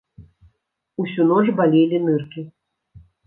Усю ноч балелі ныркі.